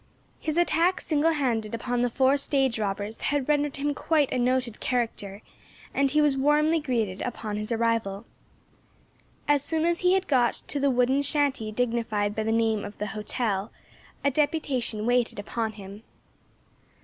His attack single handed upon the four stage robbers had rendered him quite a noted character, and he was warmly greeted upon his arrival. As soon as he had got to the wooden shanty dignified by the name of the "hotel," a deputation waited upon him.